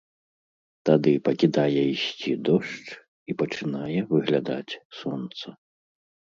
Тады пакідае ісці дождж, і пачынае выглядаць сонца.